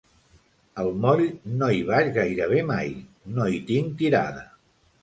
Al moll, no hi vaig gairebé mai: no hi tinc tirada.